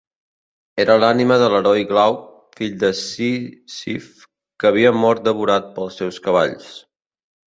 Era l'ànima de l'heroi Glauc, fill de Sísif, que havia mort devorat pels seus cavalls.